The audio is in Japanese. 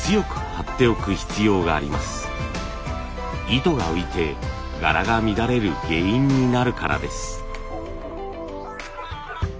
糸が浮いて柄が乱れる原因になるからです。